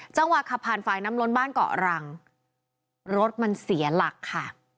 จังหวะขับผ่านฝ่ายน้ำล้นบ้านเกาะรังรถมันเสียหลักค่ะ